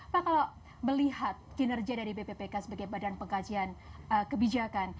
pak kalau melihat kinerja dari bppk sebagai badan pengkajian kebijakan